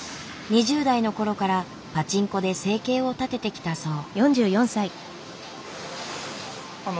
２０代の頃からパチンコで生計を立ててきたそう。